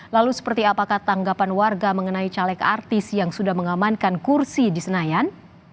lalu seperti apakah tanggapan warga mengenai caleg artis yang sudah mengamankan kursi di senayan